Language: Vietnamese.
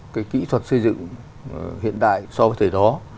và có một kỹ thuật xây dựng hiện đại so với thời đó